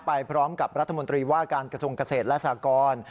ไปพร้อมกับรัฐมนตรีว่าการกระทรวงเกษตรและสากร